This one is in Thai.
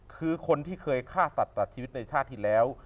คือคนที่เคยฆ่าสัตว์ตัดชีวิตในชาติที่แล้ว